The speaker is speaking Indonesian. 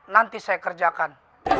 nanti saya kerjakan